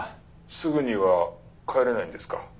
「すぐには帰れないんですか？」